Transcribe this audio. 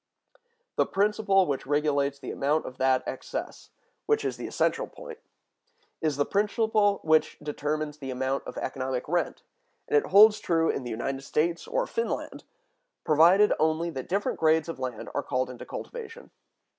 The principle which regulates the amount of that excess—which is the essential point—is the principle which determines the amount of economic rent, and it holds true in the United States or Finland, provided only that different grades of land are called into cultivation.